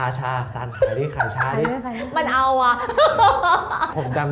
ไม่ใช่ไม่ใช่ไม่ใช่ไม่ใช่ไม่ใช่ไม่ใช่